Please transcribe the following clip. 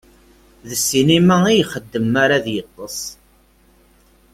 D ssinima i ixeddem mi ara yeṭṭes.